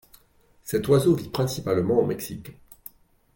Cet oiseau vit principalement au Mexique.